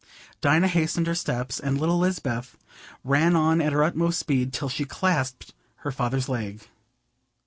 Dinah hastened her steps, and little Lisbeth ran on at her utmost speed till she clasped her father's leg.